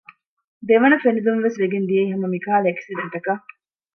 ދެވަނަ ފެނިލުންވެސް ވެގެން ދިޔައީ ހަމަ މިކަހަލަ އެކްސިޑެންޓަކަށް